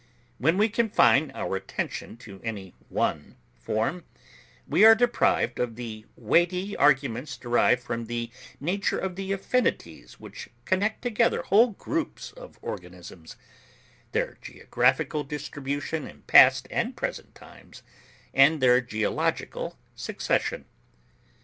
When we confine our attention to any one form, we are deprived of the weighty arguments derived from the nature of the affinities which connect together whole groups of organisms—their geographical distribution in past and present times, and their geological succession.